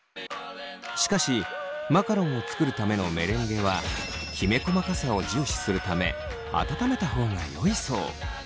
しかしマカロンを作るためのメレンゲはきめ細かさを重視するため温めた方がよいそう。